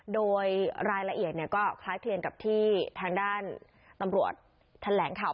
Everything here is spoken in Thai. ด้วยรายละเอียดเนี่ยก็คล้ายเพียงกับที่ทางด้านอำรวจทะแหลเปลี่ยนข่าว